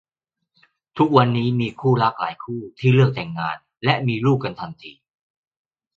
ทุกวันนี้มีคู่รักหลายคู่ที่เลือกแต่งงานและมีลูกกันทันที